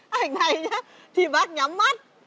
bác ơi ảnh này nhá thì bác nhắm mắt